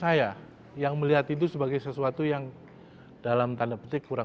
kawasan mungkin terjadi thea sebesarnya seperti sekarang